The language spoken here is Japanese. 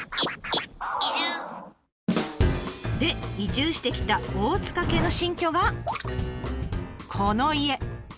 で移住してきた大塚家の新居がこの家。